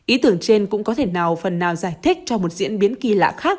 ý tưởng trên cũng có thể nào phần nào giải thích cho một diễn biến kỳ lạ khác